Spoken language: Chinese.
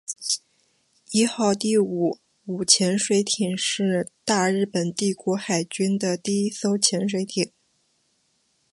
伊号第五五潜水舰是大日本帝国海军的一艘潜水艇。